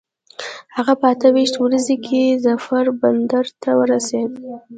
هغه په اته ویشت ورځي کې ظفار بندر ته ورسېد.